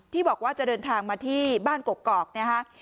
บอกว่าจะเดินทางมาที่บ้านกกอกนะฮะ